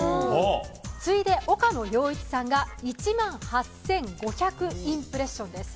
次いで岡野陽一さんが１万８５００インプレッションです。